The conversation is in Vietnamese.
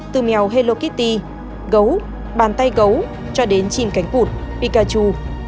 từ mèo hello kitty gấu bàn tay gấu cho đến chim cánh cụt pikachu